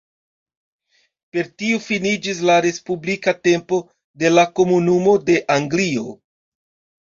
Per tio finiĝis la respublika tempo de la "Komunumo de Anglio".